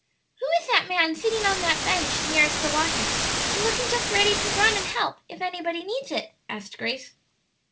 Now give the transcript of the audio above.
"Who is that man sitting on that bench nearest the water, and looking just ready to run and help if anybody needs it?" asked Grace.